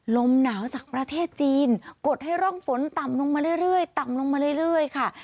ลมหนาวจากประเทศจีนกดให้ล่องฝนต่ำลงมาเรื่อยค่ะ